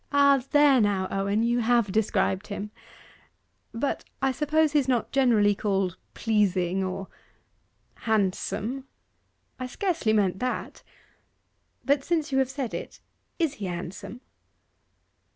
'Ah, there now, Owen, you have described him! But I suppose he's not generally called pleasing, or ' 'Handsome?' 'I scarcely meant that. But since you have said it, is he handsome?